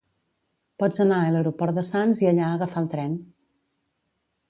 Pots anar a l'aeroport de Sants i allà agafar el tren.